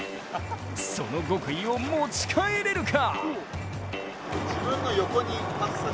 その極意を持ち帰れるか？